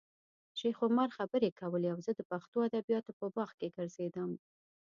شیخ عمر خبرې کولې او زه د پښتو ادبیاتو په باغ کې ګرځېدم.